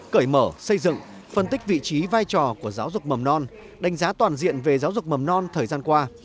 cởi mở xây dựng phân tích vị trí vai trò của giáo dục mầm non đánh giá toàn diện về giáo dục mầm non thời gian qua